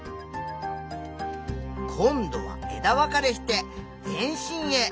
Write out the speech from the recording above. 今度は枝分かれして全身へ。